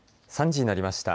３時になりました。